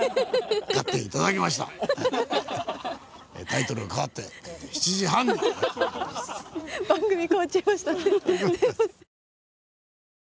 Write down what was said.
タイトルが変わって７時半に。